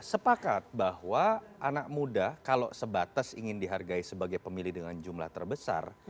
sepakat bahwa anak muda kalau sebatas ingin dihargai sebagai pemilih dengan jumlah terbesar